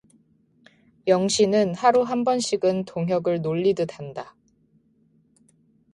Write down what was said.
영신은 하루 한 번씩은 동혁을 놀리듯 한다.